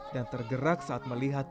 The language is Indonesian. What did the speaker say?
dan tergerak saat melihat